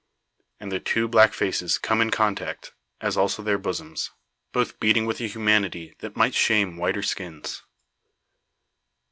And their two black faces come in contact, as also their bosoms; both beating with a humanity that might shame whiter skins.